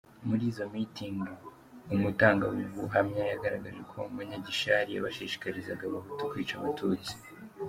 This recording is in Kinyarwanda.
Muri izo mitingi, umutangabuhamya yagaragaje ko Munyagishari yabashishikarizaga Abahutu kwica Abatutsi.